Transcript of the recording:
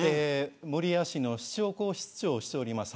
守谷市の市長公室長をしております